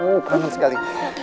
oh bangun sekali